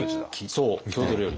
そう郷土料理。